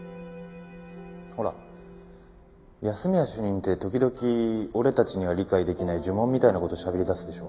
ほら安洛主任って時々俺たちには理解できない呪文みたいな事しゃべり出すでしょ？